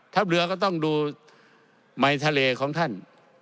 เรือก็ต้องดูไมค์ทะเลของท่าน